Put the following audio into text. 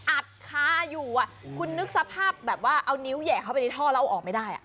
อัดคาอยู่คุณนึกสภาพแบบว่าเอานิ้วแห่เข้าไปในท่อแล้วเอาออกไม่ได้